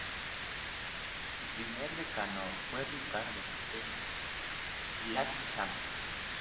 Su primer decano fue Ricardo E. Latcham.